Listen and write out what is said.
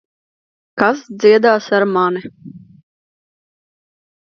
Kas dziedās ar mani?